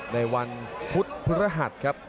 ในวันพุธพฤหัสครับ